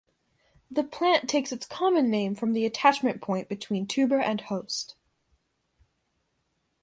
The plant takes its common name from the attachment point between tuber and host.